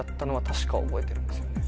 確か覚えてるんですよね。